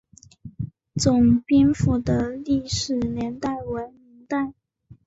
总兵府的历史年代为明代。